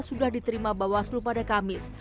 sudah diterima bawaslu pada kamis